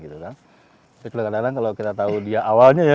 jadi kadang kadang kalau kita tahu dia awalnya